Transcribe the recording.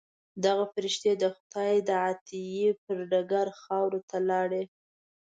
دغه فرښتې د خدای د عطیې پر ډګر خاورو ته لاړې.